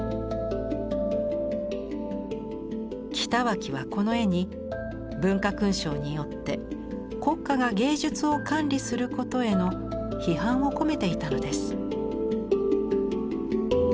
北脇はこの絵に文化勲章によって国家が芸術を管理することへの批判を込めていたのです。